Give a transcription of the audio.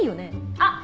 あっ！